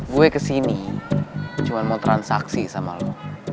gue kesini cuma mau transaksi sama lo